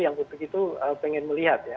yang publik itu pengen melihat ya